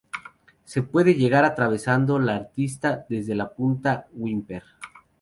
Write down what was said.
Se puede llegar atravesando la arista desde la Punta Whymper.